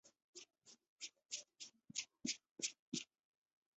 测量技术是关键和基础。